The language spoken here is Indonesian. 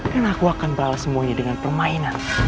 dan aku akan balas semuanya dengan permainan